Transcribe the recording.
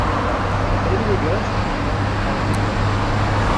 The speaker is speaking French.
Elle aimait les gosses et celui-là n’était pas la moitié d’un con